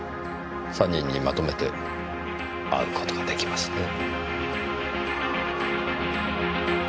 ３人にまとめて会う事ができますねぇ。